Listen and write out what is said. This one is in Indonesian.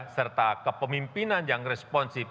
serta kepemimpinan yang responsif